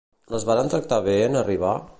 Les varen tractar bé en arribar?